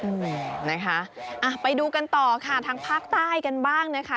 นั่นแหละนะคะไปดูกันต่อค่ะทางภาคใต้กันบ้างนะคะ